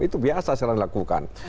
itu biasa sekarang dilakukan